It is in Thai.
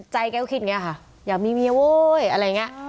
แกก็คิดอย่างนี้ค่ะอยากมีเมียเว้ยอะไรอย่างนี้